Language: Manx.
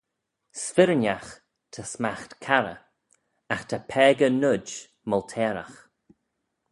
"S'firrinagh ta smaght carrey; agh ta paagey noid molteyragh."